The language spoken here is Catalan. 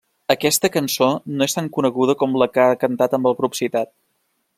Aquesta cançó no és tan coneguda com la que ha cantat amb el grup citat.